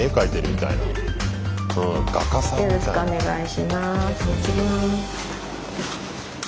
よろしくお願いします。